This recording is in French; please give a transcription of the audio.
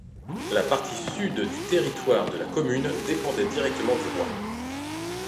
La partie sud du territoire de la commune dépendait directement du roi.